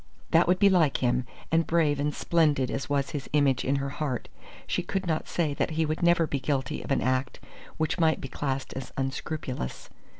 That would be like him; and brave and splendid as was his image in her heart, she could not say that he would never be guilty of an act which might be classed as unscrupulous.